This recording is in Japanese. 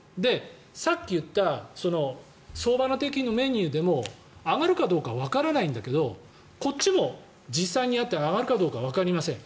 さっき言った総花的なメニューでも上がるかどうかわからないんだけどこっちも実際に上がるかどうかわかりません。